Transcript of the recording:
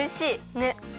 ねっ！